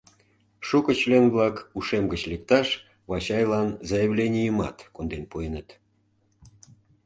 Шуко член-влак ушем гыч лекташ Вачайлан заявленийымат конден пуэныт.